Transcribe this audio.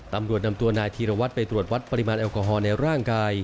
ตำรวจนำตัวนายธีรวัตรไปตรวจวัดปริมาณแอลกอฮอล์ในร่างกาย